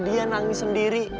dia nangis sendiri